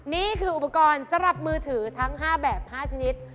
นี่คืออุปกรณ์สำหรับมือถือทั้ง๕แบบ๕ชนิด